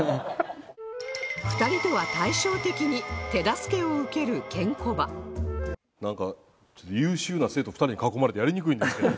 ２人とは対照的に手助けを受けるケンコバなんかちょっと優秀な生徒２人に囲まれてやりにくいんですけど。